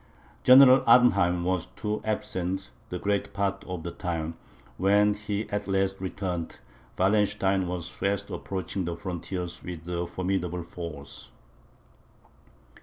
General Arnheim, too, was absent the greater part of the time; and when he at last returned, Wallenstein was fast approaching the frontiers with a formidable force.